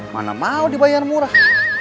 mana mau dibayar murah